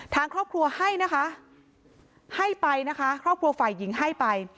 ทางครอบครัวให้นะคะให้ไปนะคะครอบครัวฝ่ายหญิงให้ไป